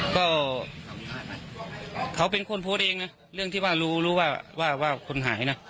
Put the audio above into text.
ก็เขาเป็นคนพูดเองนะเรื่องที่ว่ารู้ว่าคนหายนะ